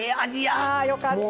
ああよかった。